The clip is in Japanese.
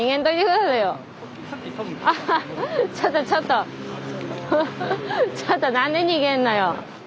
アッハちょっとちょっと。